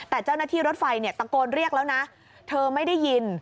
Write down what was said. แต่เจ้าหน้าที่รถไฟเนี่ยตะโกนเรียกแล้วนะเธอไม่ได้ยิน